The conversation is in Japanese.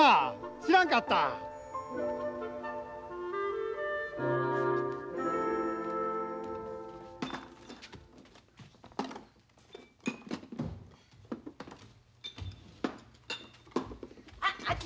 知らんかった！あっ昭。